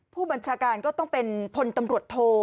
ผู้บัญชาการก็ต้องเป็นพลตำรวจโท